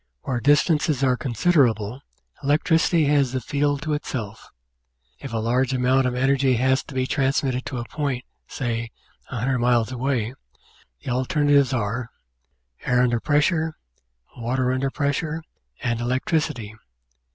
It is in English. Where distances are considerable, electricity has the field to itself. If a large amount of energy has to be transmitted to a point, say, 100 miles away, the alternatives are : air under pressure, water under pres sure, and electricity.